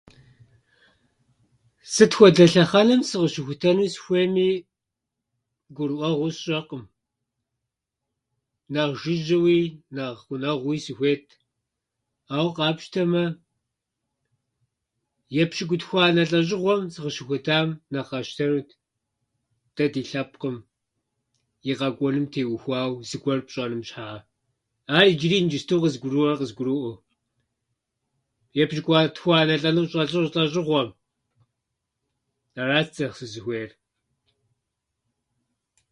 Сыт хуэдэ лъэхъэнэм сыкъыщыхутэну сыхуейми гурыӏуэгъуэу сщӏэкъым. Нэхъ жыжьэуи, нэхъ гъунэгъууи сыхуейт. Ауэ къапщтэмэ, епщыкӏутхуанэ лӏэщӏыгъуэм сыкъыщыхутам нэхъ къэсщтэнут. Дэ ди лъэпкъым и къэкӏуэнум теухуауэ зыгуэр тщӏэным щхьа. Ар иджыри иджыпсту къызгурыӏуэр къызгурыӏуэу. Епщыкӏутхуанэ лӏэны- лӏэщӏы- лӏэщӏыгъуэм. Арат нэхъ сызыхуейр.